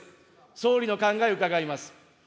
総理の考えを伺います。